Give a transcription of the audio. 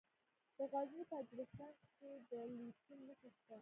د غزني په اجرستان کې د لیتیم نښې شته.